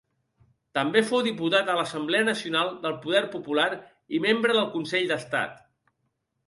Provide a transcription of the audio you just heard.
També fou diputat a l'Assemblea Nacional del Poder Popular i membre del Consell d'Estat.